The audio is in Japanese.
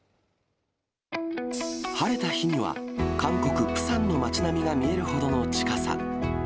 晴れた日には、韓国・プサンの町並みが見えるほどの近さ。